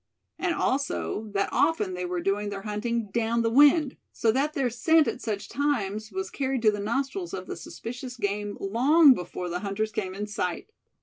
And also that often they were doing their hunting "down the wind," so that their scent at such times was carried to the nostrils of the suspicious game long before the hunters came in sight.